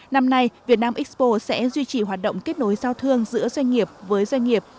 năm nay việt nam expo sẽ duy trì hoạt động kết nối giao thương giữa doanh nghiệp với doanh nghiệp